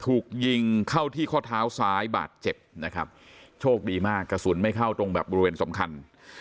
ถูกยิงเข้าที่ข้อเท้าซ้ายบาดเจ็บนะครับโชคดีมากกระสุนไม่เข้าตรงแบบบริเวณสำคัญ